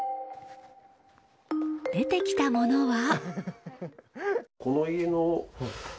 出てきたものは。